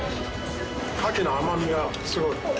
カキの甘みがすごい。